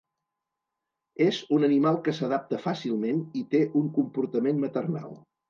És un animal que s'adapta fàcilment i té un comportament maternal.